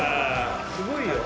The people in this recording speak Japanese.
すごいよ